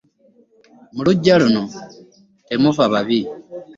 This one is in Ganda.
Mu luggya luno temuva babbi.